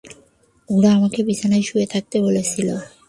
ওরা আমাকে বিছানায় শুয়ে থাকতে বলেছিল।